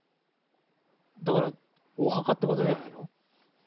だからお墓ってことじゃないの？